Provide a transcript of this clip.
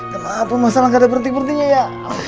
kenapa masalah gak ada berarti bertinya ya